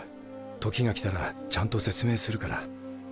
時が来たらちゃんと説明するから。